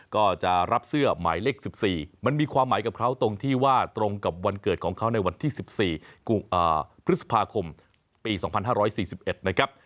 ก็จะรับเสื้อหมายเลข๑๔มันมีความหมายกับเขาตรงที่ว่าตรงกับวันเกิดของเขาในวันที่๑๔พฤษภาคมปี๒๕๔๑นะครับ